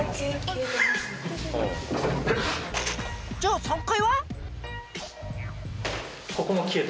じゃあ３階は？